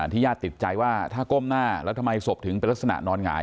ญาติติดใจว่าถ้าก้มหน้าแล้วทำไมศพถึงเป็นลักษณะนอนหงาย